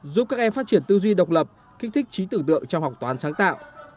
giúp các em phát triển tư duy độc lập kích thích trí tưởng tượng trong học toán sáng tạo